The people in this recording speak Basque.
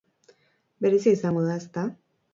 Berezia izango da, ezta?